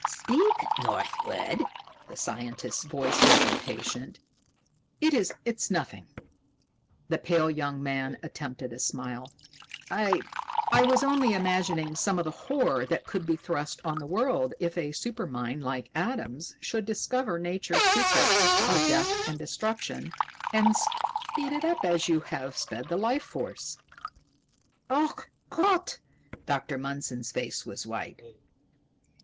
"Speak, Northwood!" The scientist's voice was impatient. "It is nothing!" The pale young man attempted a smile. "I was only imagining some of the horror that could be thrust on the world if a supermind like Adam's should discover Nature's secret of death and destruction and speed it up as you have sped the life force." "Ach Gott!" Dr. Mundson's face was white.